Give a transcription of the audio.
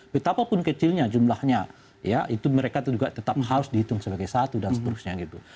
betapapun kecilnya jumlahnya ya itu mereka juga tetap harus dihitung sebagai satu dan seterusnya gitu